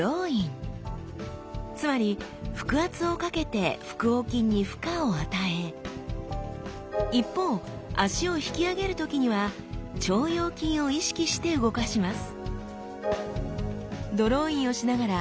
つまり腹圧をかけて腹横筋に負荷を与え一方脚を引き上げる時には腸腰筋を意識して動かします。